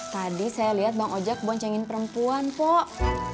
tadi saya lihat bang ojek boncengin perempuan kok